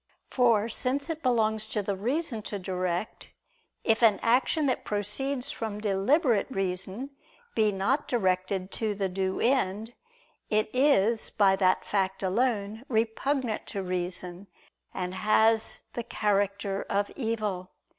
For since it belongs to the reason to direct; if an action that proceeds from deliberate reason be not directed to the due end, it is, by that fact alone, repugnant to reason, and has the character of evil.